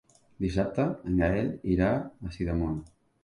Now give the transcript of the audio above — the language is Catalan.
Dissabte en Gaël irà a Sidamon.